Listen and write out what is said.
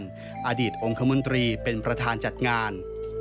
นายธานินไกรวิเชียนอดีตองคมุนตรีเป็นประธานจัดงาน